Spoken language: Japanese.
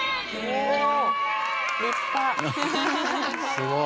すごい。